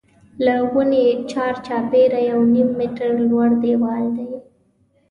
له ونې چار چاپېره یو نیم متر لوړ دیوال دی.